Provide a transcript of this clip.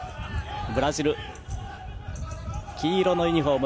ブラジル、黄色のユニフォーム